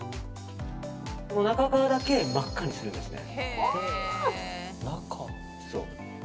中側だけ真っ赤にするんですね。